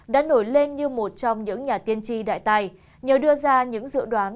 đã nổi lên như một trong những nhà tiên tri đại tài nhờ đưa ra những dự đoán